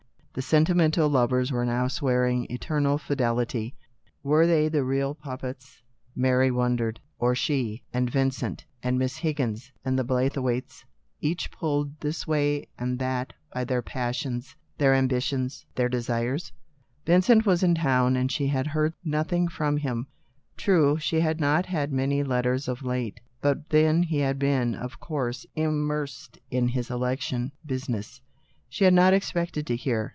The sentimental lovers were now swearing eternal fidelity, moving their arms like puppets pulled by wires. Were they the real puppets, Mary wondered, or she, A COMEDY IN REAL LIFE. 209 Vincent, and Miss Higgins, and the Blaythe waites, each pulled this way and that by their passions, their ambitions, their desires. Vin cent was in town, and she had heard nothing from him ! True, she had not had many let ters of late, but then he had been of course immersed in his election business. She had not expected to hear.